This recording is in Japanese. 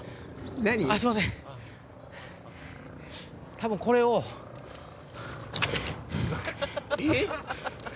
多分これをハァ。